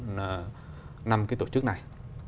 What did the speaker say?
năm cái tổ chức này